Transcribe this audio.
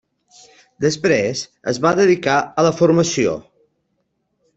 Després es va dedicar a la formació.